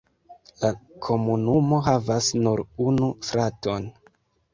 La komunumo havas nur unu straton.